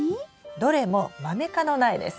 どれもマメ科の苗です。